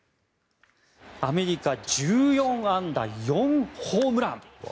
アメリカ１４安打４ホームラン。